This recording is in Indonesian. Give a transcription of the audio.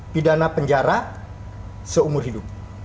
pidana penjara seumur hidup